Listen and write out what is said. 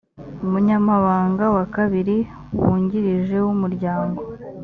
umunyamabanga wa kabiri wungirije w’umuryango